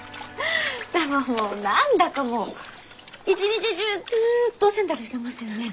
何だかもう一日中ずっとお洗濯してますよね？